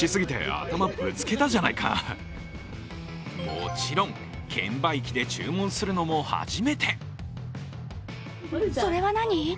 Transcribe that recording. もちろん、券売機で注文するのも初めて。